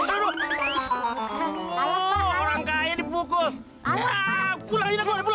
ada yang pukul